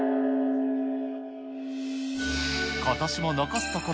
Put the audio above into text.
ことしも残すところ